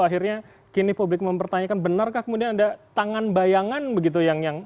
akhirnya kini publik mempertanyakan benarkah kemudian ada tangan bayangan begitu yang